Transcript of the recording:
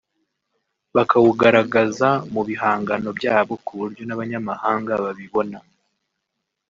bakawugaragaza mu bihangano byabo kuburyo n’abanyamahanga babibona